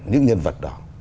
những nhân vật đó